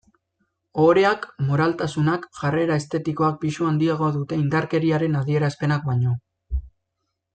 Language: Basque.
Ohoreak, moraltasunak, jarrera estetikoak pisu handiagoa dute indarkeriaren adierazpenak baino.